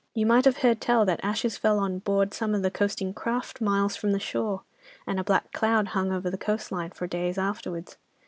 You might have heard tell that ashes fell on board some of the coasting craft miles from the shore, and a black cloud hung over the coastline, for days afterwards.